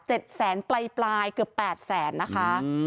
เจ็ดแสนปลายเกือบ๘แสนนะคะ